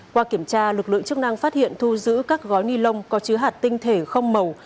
qua kiểm tra lực lượng chức năng phát hiện thu giữ các gói ni lông có chứa hạt tinh thể không màu